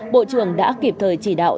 bộ trưởng đã kịp thời chỉ đạo